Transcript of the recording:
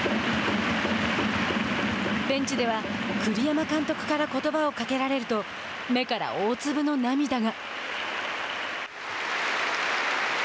ベンチでは栗山監督からことばをかけられると目から大粒の涙が。